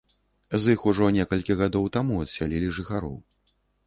З іх ужо некалькі гадоў таму адсялілі жыхароў.